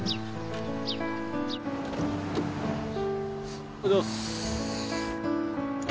おはようございます。